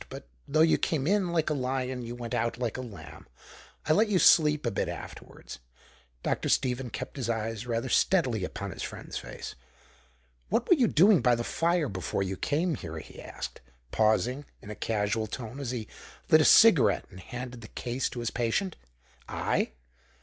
But though you came in like a lion, you went out like a lamb. I let you sleep a bit afterwards." Dr. Stephen kept his eyes rather steadily upon his friend's face. "What were you doing by the fire before you came here?" he asked, pausing, in a casual tone, as he lit a cigarette and handed the case to his patient. "I?